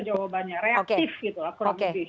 jawabannya reaktif gitu lah